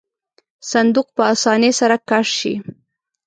صندوق په آسانۍ سره کش شي.